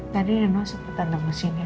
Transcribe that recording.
tadi reno sempat nandung ke sini